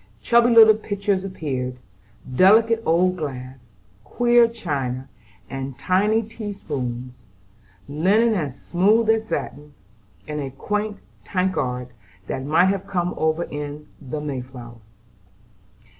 Chubby little pitchers appeared, delicate old glass, queer china, and tiny tea spoons; linen as smooth as satin, and a quaint tankard that might have come over in the "May flower."